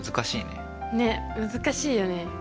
ねっ難しいよね。